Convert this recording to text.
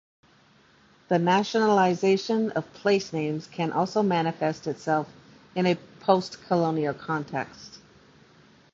This nationalization of place names can also manifest itself in a postcolonial context.